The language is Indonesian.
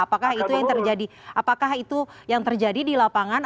apakah itu yang terjadi apakah itu yang terjadi di lapangan